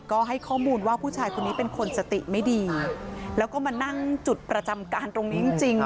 ก็ให้ข้อมูลว่าผู้ชายคนนี้เป็นคนสติไม่ดีแล้วก็มานั่งจุดประจำการตรงนี้จริงจริง